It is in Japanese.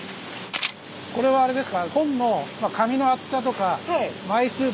これはあれですか？